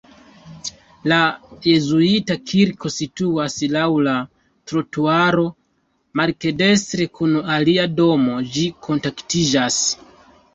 La jezuita kirko situas laŭ la trotuaro, maldekstre kun alia domo ĝi kontaktiĝas.